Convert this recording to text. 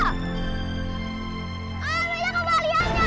om ini kembaliannya